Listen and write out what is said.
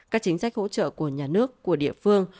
các chính sách hỗ trợ của nhà nước của địa phương